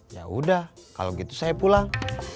yaudah kalau gitu saya pulang